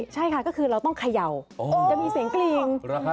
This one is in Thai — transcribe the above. ใช่ค่ะก็คือเราต้องเขย่าจะมีเสียงกลิ่ง